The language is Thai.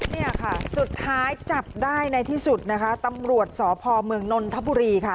เนี่ยค่ะสุดท้ายจับได้ในที่สุดนะคะตำรวจสพเมืองนนทบุรีค่ะ